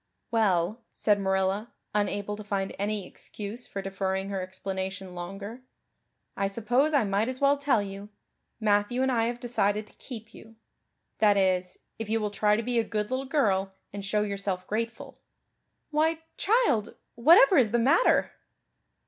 "Well," said Marilla, unable to find any excuse for deferring her explanation longer, "I suppose I might as well tell you. Matthew and I have decided to keep you that is, if you will try to be a good little girl and show yourself grateful. Why, child, whatever is the matter?"